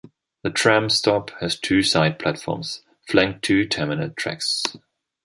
The tram stop has two side platforms, flanked two terminal tracks.